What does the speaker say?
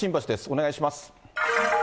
お願いします。